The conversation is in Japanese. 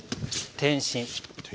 転身。